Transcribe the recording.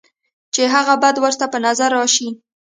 چې هغه بد ورته پۀ نظر راشي،